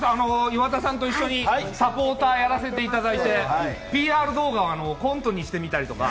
岩田さんと一緒にサポーターをやらせていただいてＰＲ動画をコントにしてみたりとか。